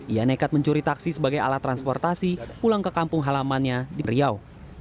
ia nekat mencuri taksi sebagai alat transportasi pulang ke kampung halamannya di riau